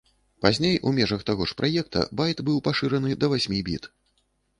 Пазней у межах таго ж праекта, байт быў пашыраны да васьмі біт.